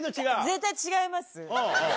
絶対違います。